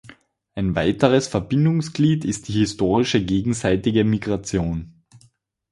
Ein weiteres Verbindungsglied ist die historische gegenseitige Migration.